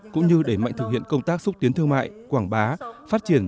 cũng như đẩy mạnh thực hiện công tác xúc tiến thương mại quảng bá phát triển